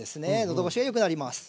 のどごしがよくなります。